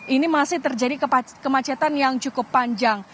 ini masih terjadi kemacetan yang cukup panjang